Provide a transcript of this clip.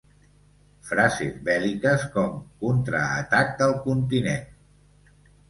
Frases bèl·liques com "Contraatac del continent!"